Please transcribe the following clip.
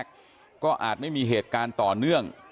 โคศกรรชาวันนี้ได้นำคลิปบอกว่าเป็นคลิปที่ทางตำรวจเอามาแถลงวันนี้นะครับ